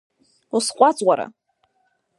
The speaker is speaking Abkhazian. Усҟәаҵ уара!